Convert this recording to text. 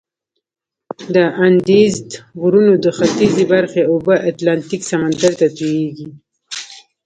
د اندیزد غرونو د ختیځي برخې اوبه اتلانتیک سمندر ته تویږي.